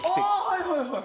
はいはいはい！